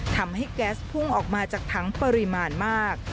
ทำให้แก๊สพุ่งออกมาจากถังปริมาณมาก